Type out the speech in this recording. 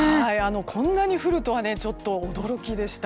こんなに降るとはちょっと驚きでした。